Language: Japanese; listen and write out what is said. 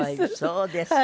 そうですか。